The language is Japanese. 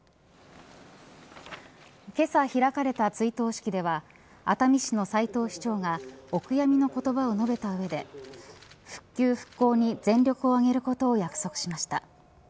けさ開かれた追悼式では熱海市の斉藤市長がお悔やみの言葉を述べた上で復旧、復興に全力をあげることを約束しました。